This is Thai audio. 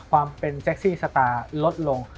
ความเป็นแก๊กซี่สตาร์ลดลง